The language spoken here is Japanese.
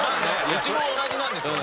うちも同じなんですよね。